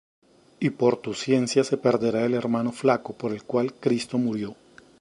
Y por tu ciencia se perderá el hermano flaco por el cual Cristo murió.